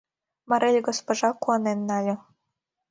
Марель госпожа куанен нале.